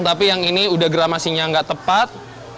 tapi yang ini udah gramasinya nggak tepat